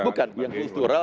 bukan yang kultural